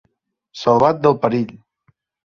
Salvat del perill